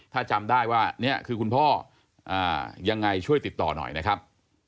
ถ้าจำได้ว่านี่คือคุณพ่อยังไงช่วยติดต่อหน่อยนะครับ